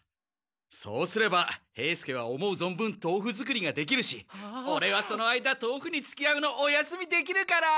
そうすれば兵助は思うぞんぶんとうふ作りができるしオレはその間とうふにつきあうのお休みできるから！